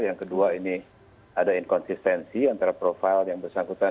yang kedua ini ada inkonsistensi antara profil yang bersangkutan